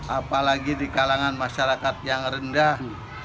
apalagi di kalangan masyarakat yang rendah